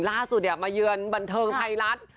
ล่าสุดมาเยือนบันเทิงไทยรัฐ